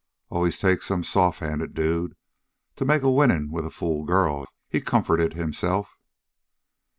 "Always takes some soft handed dude to make a winning with a fool girl," he comforted himself.